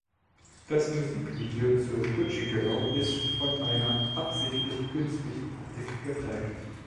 Das Musikvideo zu "Gucci Girl" ist von einer absichtlich künstlichen Optik geprägt.